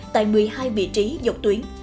tại một mươi hai vị trí dọc tuyến